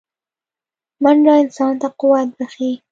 منډه انسان ته قوت بښي